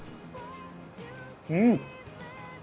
うん！